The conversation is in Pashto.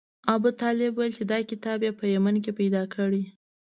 ابوطالب ویل چې دا کتاب یې په یمن کې پیدا کړی.